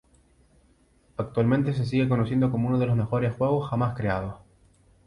Actualmente se sigue conociendo como uno de los mejores juegos jamás creados.